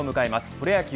プロ野球